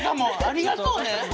ありがとうね！